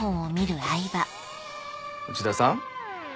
内田さん。